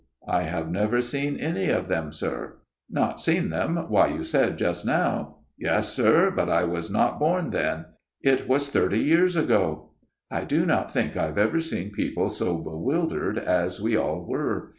"' I have never seen any of them, sir.' "' Not seen them ! Why you said just now '"' Yes, sir ; but I was not born then. It was thirty years ago.' " I do not think I have ever seen people so bewildered as we all were.